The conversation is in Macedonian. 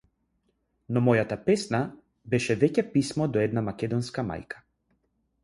Но мојата песна беше веќе писмо до една македонска мајка.